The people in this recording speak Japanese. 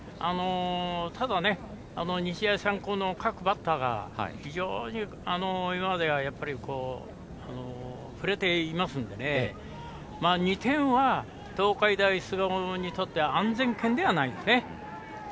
ただ、日大三高の各バッターが非常に今までが振れていますので２点は東海大菅生にとっては安全圏ではないですね。